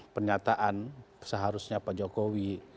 pernyataan seharusnya pak jokowi